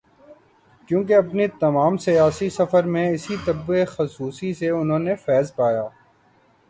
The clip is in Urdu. کیونکہ اپنے تمام سیاسی سفر میں اسی طب خصوصی سے انہوں نے فیض پایا۔